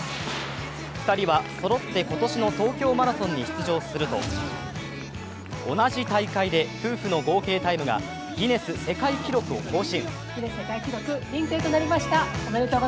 ２人はそろって今年の東京マラソンに出場すると、同じ大会で夫婦の合計タイムがギネス世界記録を更新。